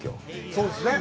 そうですね。